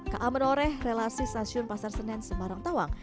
ka menoreh relasi stasiun pasar senen semarang tawang